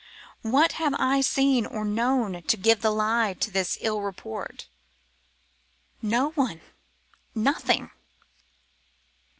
what have I seen or known to give the lie to this ill report? No one, nothing.